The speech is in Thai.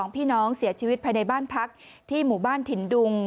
พี่น้องเสียชีวิตภายในบ้านพักที่หมู่บ้านถิ่นดุง